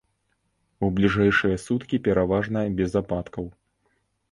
У бліжэйшыя суткі пераважна без ападкаў.